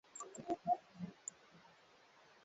Vyombo na vifaa vinavyahitajika kuchemshia viazi lishe